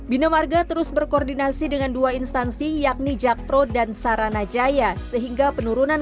binamarga terus berkoordinasi dengan dua instansi yakni jakpro dan sarana jaya sehingga penurunan